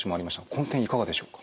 この点いかがでしょうか？